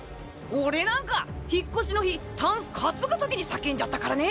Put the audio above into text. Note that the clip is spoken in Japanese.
俺なんか引っ越しの日タンス担ぐときに叫んじゃったからね。